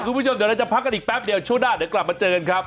คุณผู้ชมเดี๋ยวเราจะพักกันอีกแป๊บเดียวช่วงหน้าเดี๋ยวกลับมาเจอกันครับ